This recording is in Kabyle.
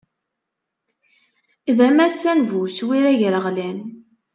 D amassan bu uswir agraɣlan.